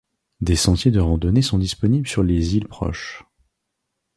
Des sentiers de randonnées sont disponibles sur les îles proches.